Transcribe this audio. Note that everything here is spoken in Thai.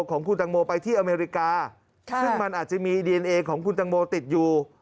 ของคุณตังโมไปที่อเมริกาซึ่งมันอาจจะมีดีเอนเอของคุณตังโมติดอยู่